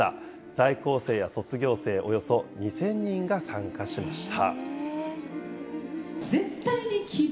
在校生や卒業生およそ２０００人が参加しました。